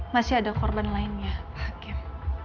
masih ada korban lainnya pak kip